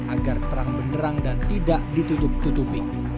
agar terang benderang dan tidak ditutup tutupi